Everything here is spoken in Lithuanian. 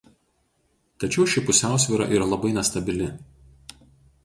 Tačiau ši pusiausvyra yra labai nestabili.